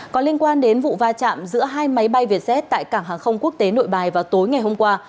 có liên quan đến vụ va chạm giữa hai máy bay vietjet tại cảng hàng không quốc tế nội bài vào tối ngày hôm qua